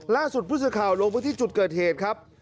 ล่าสุดผู้สื่อข่าวลงพื้นที่จุดเกิดเหตุครับ